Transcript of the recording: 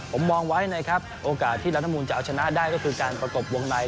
ผมมองไว้นะครับโอกาสที่รัฐมูลจะเอาชนะได้ก็คือการประกบวงใน